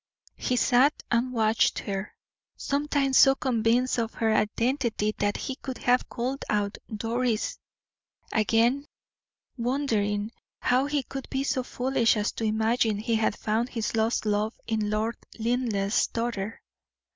He sat and watched her, sometimes so convinced of her identity that he could have called out "Doris:" again, wondering how he could be so foolish as to imagine he had found his lost love in Lord Linleigh's daughter.